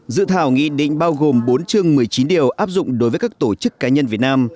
dự thảo nghị định bao gồm bốn chương một mươi chín điều áp dụng đối với các tổ chức cá nhân việt nam